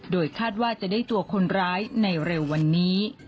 โดยคาดว่าจะได้ตัวคนร้ายในเร็ววันนี้